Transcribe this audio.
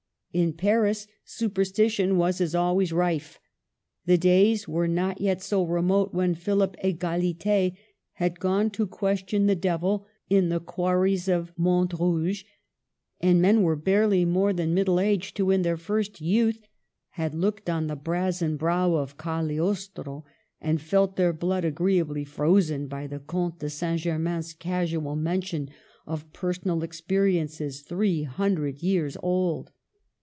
In Paris superstition was, as always, rife. The days were not yet so remote when Philip EgaJit6 had gone to question the devil in the quarries of Montrouge ; and men were barely more than middle aged who in their first youth had looked on the brazen brow of Cagliostro, and felt their blood agreeably frozen by the Comte de St. Germain's casual mention of personal experiences three hundred years old.